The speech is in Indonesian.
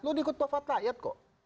lo di ketua fatlayat kok